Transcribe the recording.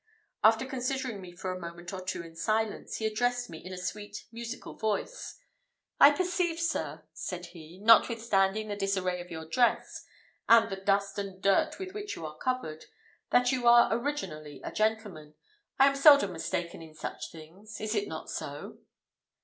After considering me for a moment or two in silence, he addressed me in a sweet musical voice. "I perceive, sir," said he, "notwithstanding the disarray of your dress, and the dust and dirt with which you are covered, that you are originally a gentleman I am seldom mistaken in such things. Is it not so?"